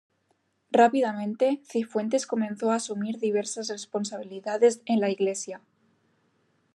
Rápidamente, Cifuentes comenzó a asumir diversas responsabilidades en la Iglesia.